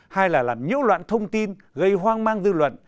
hai là làm nhiễu loạn thông tin gây hoang mang dư luận